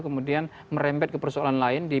kemudian merembet ke persoalan lain di